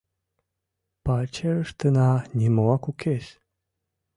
— Пачерыштына нимоак укес...